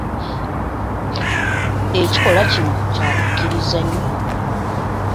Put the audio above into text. Ekikolwa kino kya kukkiriza nnyo.